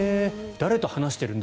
誰と話してるんだ？